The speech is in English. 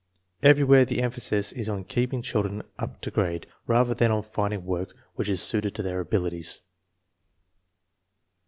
Everywhere the emphasis is on keeping children up to grade, rather than on finding work which is suited to their abilities.